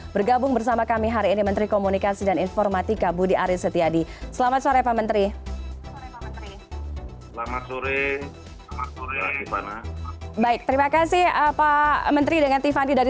bergabung bersama kami hari ini menteri komunikasi dan informatika budi arief setiadi